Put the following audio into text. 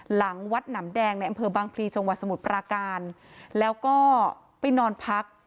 หลังวัดหนำแดงในอำเภอบางพลีจังหวัดสมุทรปราการแล้วก็ไปนอนพัก